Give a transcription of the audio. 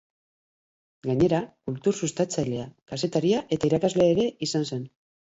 Gainera, kultur sustatzailea, kazetaria eta irakaslea ere izan zen.